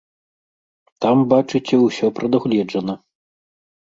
Там, бачыце, усё прадугледжана.